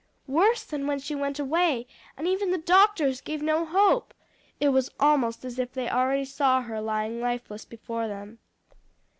Worse than when she went away! and even then the doctors gave no hope! It was almost as if they already saw her lying lifeless before them.